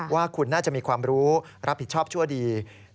ว่าคุณน่าจะมีความรู้รับผิดชอบชั่วดี